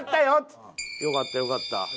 よかったよかった。